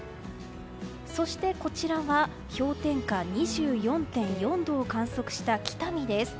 そして、こちらは氷点下２４．４度を観測した北見です。